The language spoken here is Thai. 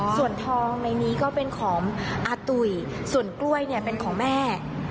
ส่วนทองในนี้ก็เป็นของอาตุ๋ยส่วนกล้วยเนี่ยเป็นของแม่